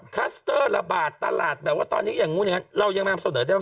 คัสเตอร์ระบาดตลาดแบบว่าตอนนี้อย่างนู้นอย่างนั้นเรายังนำเสนอได้ว่า